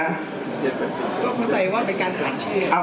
ก็เข้าใจว่าเป็นการหาชื่อ